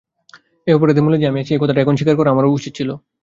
এই অপরাধের মূলে যে আমি আছি এই কথাটা এখনই স্বীকার করা আমার উচিত ছিল।